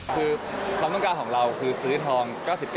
คือความต้องการของเราคือซื้อทอง๙๙